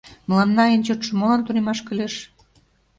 Мыланна эн чотшо молан тунемаш кӱлеш?